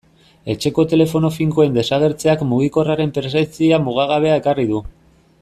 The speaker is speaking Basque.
Etxeko telefono finkoen desagertzeak mugikorraren presentzia mugagabea ekarri du.